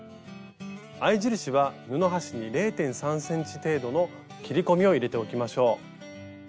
合い印は布端に０．３ｃｍ程度の切り込みを入れておきましょう。